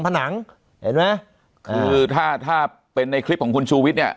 ผนังเห็นไหมคือถ้าถ้าเป็นในคลิปของคุณชูวิทย์เนี่ย